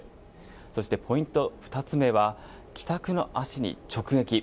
そして、ポイント２つ目は帰宅の足に直撃。